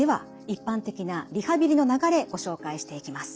一般的なリハビリの流れご紹介していきます。